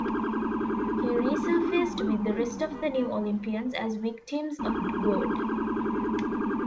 He resurfaced with the rest of the New Olympians as victims of Gog.